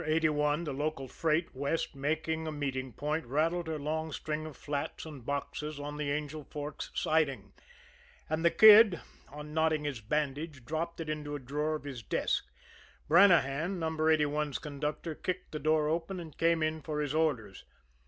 81, the local freight, west, making a meeting point, rattled her long string of flats and boxes on the Angel Forks siding; and the Kid, unknotting his bandage, dropped it into a drawer of his desk. Brannahan, No. 81's conductor, kicked the door open, and came in for his orders.